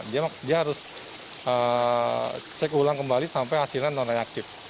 dia harus cek ulang kembali sampai hasilnya non reaktif